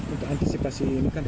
untuk antisipasi ini kan